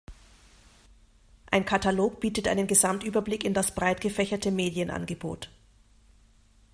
Ein Katalog bietet einen Gesamtüberblick in das breit gefächerte Medienangebot.